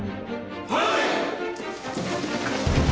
はい！